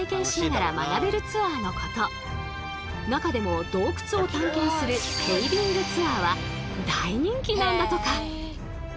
中でも洞窟を探検するケイビングツアーは大人気なんだとか。